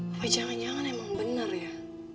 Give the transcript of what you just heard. tapi jangan jangan emang bener ya